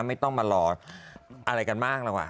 ไม่ต้องมารออะไรกันมากแล้วว่